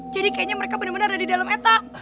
jadi kayaknya mereka bener bener ada di dalam etak